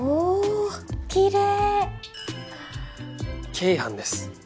鶏飯です。